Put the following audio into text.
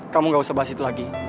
kamu gak usah bahas itu lagi